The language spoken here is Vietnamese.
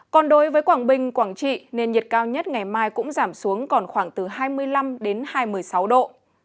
còn đối với quảng bình quảng trị nền nhiệt cao nhất ngày mai cũng giảm xuống còn khoảng từ hai mươi năm đến hai mươi sáu độ